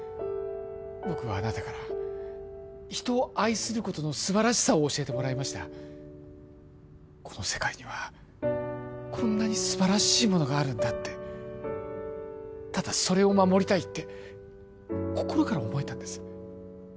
僕はあなたから人を愛することの素晴らしさを教えてもらいましたこの世界にはこんなに素晴らしいものがあるんだってただそれを守りたいって心から思えたんです